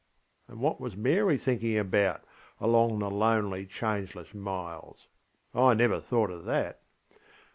ŌĆöŌĆö And what was Mary thinking about, along the lonely, changeless miles? I never thought of that.